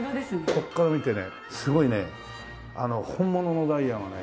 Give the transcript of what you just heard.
ここから見てねすごいね本物のダイヤがね